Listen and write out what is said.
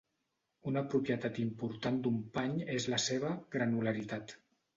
Una propietat important d'un pany és la seva "granularitat".